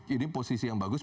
ini posisi yang bagus